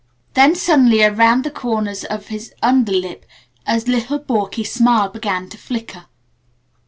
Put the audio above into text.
Then suddenly around the corners of his under lip a little balky smile began to flicker.